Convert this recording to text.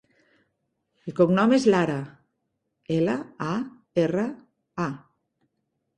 El cognom és Lara: ela, a, erra, a.